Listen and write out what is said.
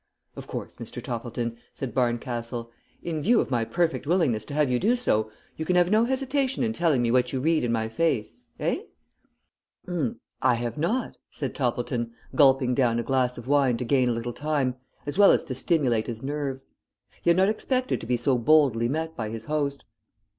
"Of course, Mr. Toppleton," said Barncastle, "in view of my perfect willingness to have you do so, you can have no hesitation in telling me what you read in my face. Eh?" "I have not," said Toppleton, gulping down a glass of wine to gain a little time as well as to stimulate his nerves. He had not expected to be so boldly met by his host.